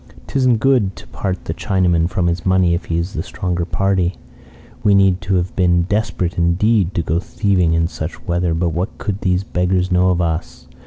'Tisn't good to part the Chinaman from his money if he is the stronger party. We need have been desperate indeed to go thieving in such weather, but what could these beggars know of us?